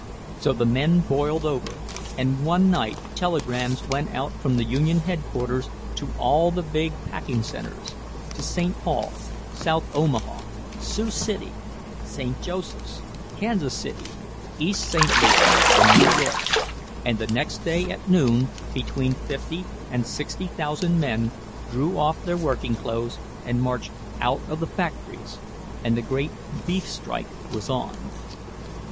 So the men boiled over, and one night telegrams went out from the union headquarters to all the big packing centers—to St. Paul, South Omaha, Sioux City, St. Joseph, Kansas City, East St. Louis, and New York—and the next day at noon between fifty and sixty thousand men drew off their working clothes and marched out of the factories, and the great "Beef Strike" was on.